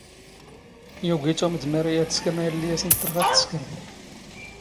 ⵢⵓⴳⵉ ⵜⵓⵎ ⴷ ⵎⴰⵔⵉ ⴰⴷ ⵙⴽⵔⵏ ⴰⵢⵍⵍⵉ ⴰⵙⵏ ⵜⵜⵔⵖ ⴰⴷ ⵜ ⵙⴽⵔⵏ.